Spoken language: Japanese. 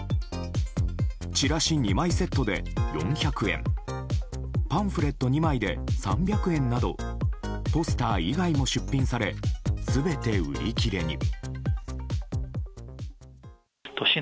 チラシ２枚セットで４００円パンフレット２枚で３００円などポスター以外も出品され全て売り切れに。